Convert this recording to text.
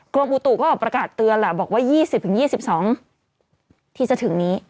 กรมอุตุก็ออกประกาศเตือนแหละบอกว่า๒๐๒๒ที่จะถึงนี้